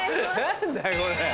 何だこれ？